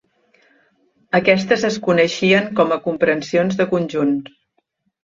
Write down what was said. Aquestes es coneixien com a comprensions de conjunts.